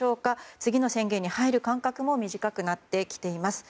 次の宣言に入る間隔も短くなってきています。